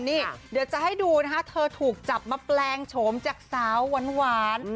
นี่เดี๋ยวจะให้ดูนะคะเธอถูกจับมาแปลงโฉมจากสาวหวาน